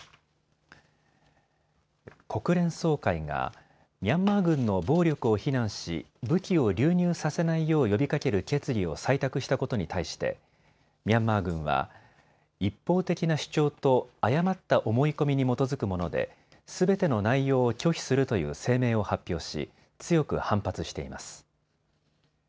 国連総会がミャンマー軍の暴力を非難し、武器を流入させないよう呼びかける決議を採択したことに対してミャンマー軍は一方的な主張と誤った思い込みに基づくもので、すべての内容を拒否するという声明を発表し強く反発しています。